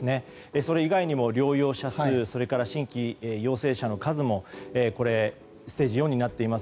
それ以外にも療養者数、新規陽性者の数もステージ４になっています。